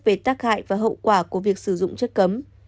về tác hại và hậu quả của việc sử dụng chất cấm